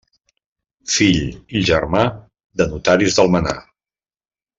Fill i germà de notaris d'Almenar.